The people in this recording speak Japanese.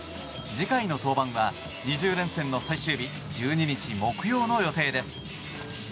次回の登板は２０連戦の最終日１２日木曜の予定です。